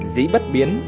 dĩ bất biến